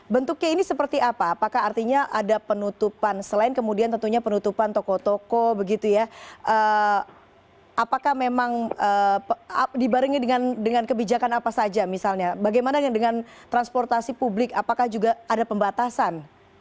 bentuknya ini seperti apa apakah artinya ada penutupan selain kemudian tentunya penutupan toko toko begitu ya apakah memang dibarengi dengan kebijakan apa saja misalnya bagaimana dengan transportasi publik apakah juga ada pembatasan